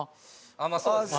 ああそうですね。